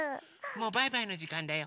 もうバイバイのじかんだよ。